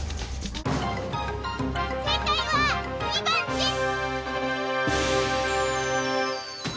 せいかいは２ばんです！